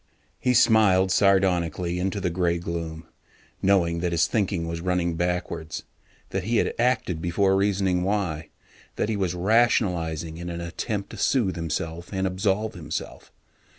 He smiled sardonically into the gray gloom, knowing that his thinking was running backwards, that he had acted before reasoning why, that he was rationalizing in an attempt to soothe himself and absolve himself.